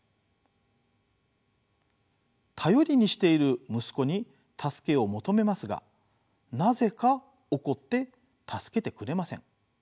頼りにしている息子に助けを求めますがなぜか怒って助けてくれません。